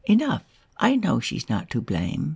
Enough, I know she's not to blame.